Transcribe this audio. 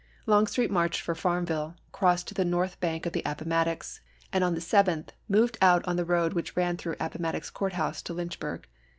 Longstreet marched for Farmville, crossed to the north bank of the Appomattox, and on the 7th moved out on the road which ran through Appo mattox Court House to Lynchburg.